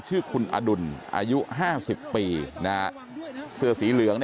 ชื่อคุณอดุลอายุห้าสิบปีเสื้อสีเหลือง